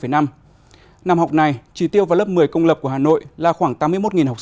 năm học này chỉ tiêu vào lớp một mươi công lập của hà nội là khoảng tám mươi một học sinh